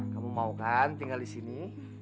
kamu mau kan tinggal disini